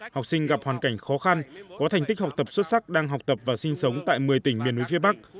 học sinh gặp hoàn cảnh khó khăn có thành tích học tập xuất sắc đang học tập và sinh sống tại một mươi tỉnh miền núi phía bắc